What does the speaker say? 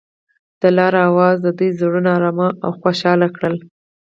د لاره اواز د دوی زړونه ارامه او خوښ کړل.